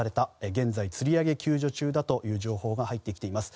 現在、つり上げ救助中だという情報が入ってきています。